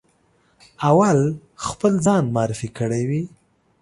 اول خپل ځان معرفي کړی وي.